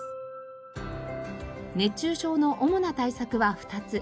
熱中症の主な対策は２つ。